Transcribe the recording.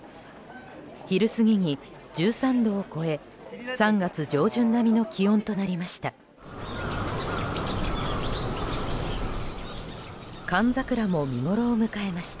昼過ぎに１３度を超え３月上旬並みの気温となりました。